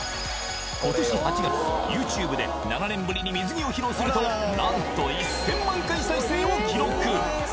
今年８月ＹｏｕＴｕｂｅで７年ぶりに水着を披露すると何と１０００万回再生を記録